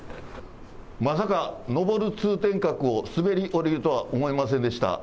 まさか上る通天閣を滑り降りるとは思いませんでした。